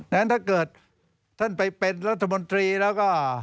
นั้นถ้าเกิดท่านไปเป็นรัฐมนตรีแล้วก็